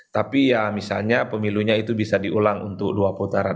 tapi ya misalnya pemilunya itu bisa diulang untuk dua putaran